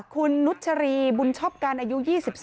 คุณนุชรีบุญชอบการอายุ๒๓